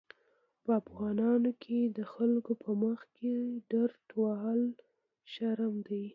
په افغانانو کې د خلکو په مخکې ډرت وهل لوی شرم دی.